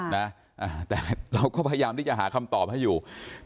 นะแต่เราก็พยายามที่จะหาคำตอบให้อยู่